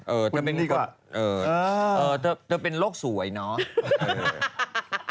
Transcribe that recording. เออจะเป็นโลกสวยเนาะ